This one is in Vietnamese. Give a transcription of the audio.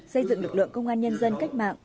xây dựng lực lượng công an nhân dân cách mạng